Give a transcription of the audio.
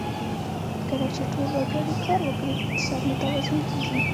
کله چې ټول وګړي کار وکړي، اقتصاد متوازن کېږي.